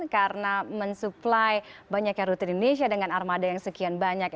karena mensupply banyak yang rutin di indonesia dengan armada yang sekian banyak